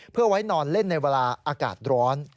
เพื่อไว้นอนเล่นในเวลาอากาศร้อน